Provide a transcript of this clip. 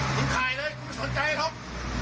ลุงขายเลยกูไม่สนใจหรอก